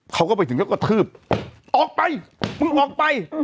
เขาก็ไปถึงก็กระทืบออกไปมึงออกไป